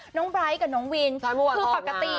ไบร์ทกับน้องวินคือปกติ